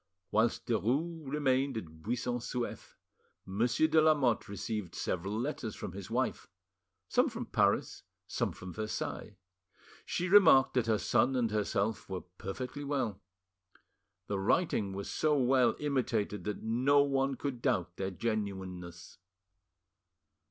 Whilst Derues remained at Buisson Souef, Monsieur de Lamotte received several letters from his wife, some from Paris, some from Versailles. She remarked that her son and herself were perfectly well.... The writing was so well imitated that no one could doubt their genuineness.